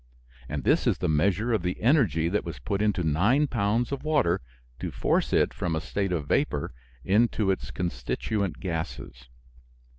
And this is the measure of the energy that was put into nine pounds of water to force it from a state of vapor into its constituent gases.